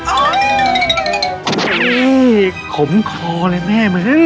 โอ้โหขมคอเลยแม่มึง